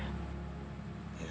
ya yang ini punya saya